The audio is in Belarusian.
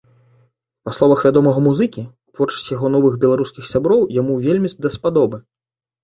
Па словах вядомага музыкі, творчасць яго новых беларускіх сяброў яму вельмі даспадобы.